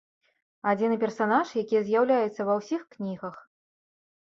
Адзіны персанаж, які з'яўляецца ва ўсіх кнігах.